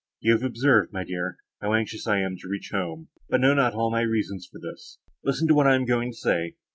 You have observed, my dear, how anxious I am to reach home, but know not all my reasons for this. Listen to what I am going to say.